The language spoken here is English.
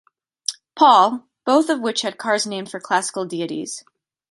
Paul, both of which had cars named for classical deities.